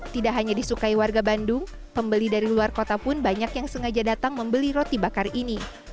tidak hanya disukai warga bandung pembeli dari luar kota pun banyak yang sengaja datang membeli roti bakar ini